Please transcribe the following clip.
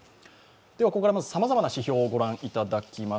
ここからさまざまな指標をご覧いただきます。